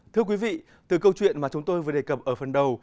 thưa quý vị từ câu chuyện mà chúng tôi vừa đề cập ở phần đầu